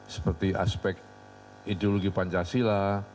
seperti aspek ideologi pancasila